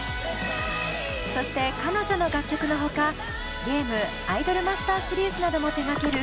そして彼女の楽曲のほかゲーム「アイドルマスター」シリーズなども手がける